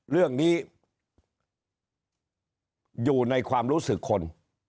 เรื่องนี้อยู่ในความรู้สึกคน